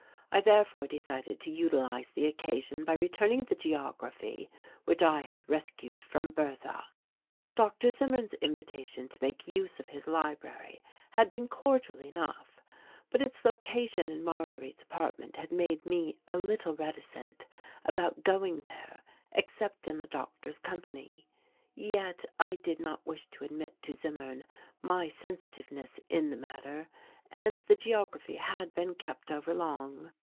I therefore decided to utilize the occasion by returning the geography which I had rescued from Bertha. Dr. Zimmern's invitation to make use of his library had been cordial enough, but its location in Marguerite's apartment had made me a little reticent about going there except in the Doctor's company. Yet I did not wish to admit to Zimmern my sensitiveness in the matter and the geography had been kept overlong.